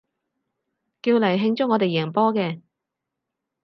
叫嚟慶祝我哋贏波嘅